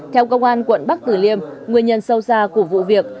theo công an quận bắc tử liêm nguyên nhân sâu xa của vụ việc